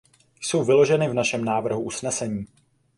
Jsou vyloženy v našem návrhu usnesení.